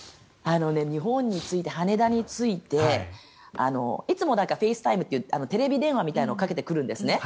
日本に着いて羽田に着いていつも、フェイスタイムというテレビ電話をかけてくるんですね。